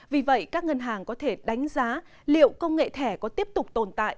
vì vậy các ngân hàng có thể đánh giá liệu công nghệ thẻ có tiếp tục tồn tại